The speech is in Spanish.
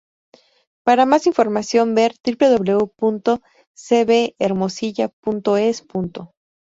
Para más información, ver www.cbhermosilla.es.